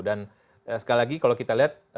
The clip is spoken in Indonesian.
dan sekali lagi kalau kita lihat